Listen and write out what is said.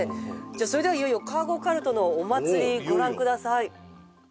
それではいよいよカーゴカルトのお祭りご覧ください